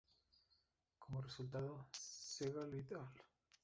Como resultado, Segall et al.